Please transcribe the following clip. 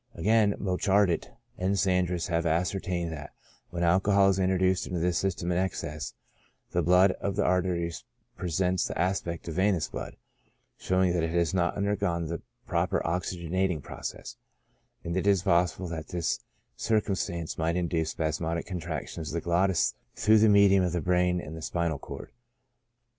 Again, Bouchardat and Sandras have ascertained that, when alcohol is introduced into the system in excess, the blood of the arteries presents the aspect of venous blood, showing that it has not undergone the proper oxygenating process, and it is possible that this circumstance might induce spasmodic contractions of the glottis through the medium of the brain and the spinal cord.